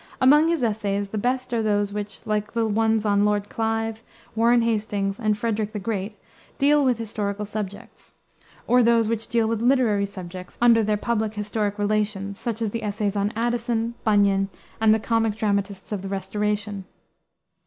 Among his essays, the best are those which, like the ones on Lord Clive, Warren Hastings, and Frederick the Great, deal with historical subjects; or those which deal with literary subjects under their public historic relations, such as the essays on Addison, Bunyan, and The Comic Dramatists of the Restoration.